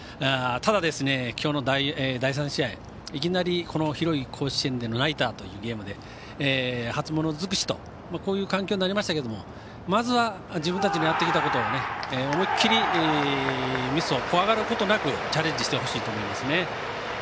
ただ、今日の第３試合はいきなり広い甲子園でのナイターというゲームで初物尽くしという環境になりましたけどもまずは自分たちのやってきたことを思い切り、ミスを怖がることなくチャレンジしてほしいと思います。